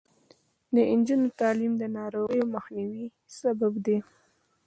د نجونو تعلیم د ناروغیو مخنیوي سبب دی.